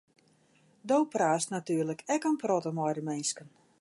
Do praatst natuerlik ek in protte mei de minsken.